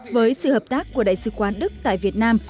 với sự hợp tác của đại sứ quán đức tại việt nam